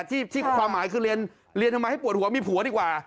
ที่ความหมายคือเรียนทำไมให้ปวดหัวมีผัวดีกว่า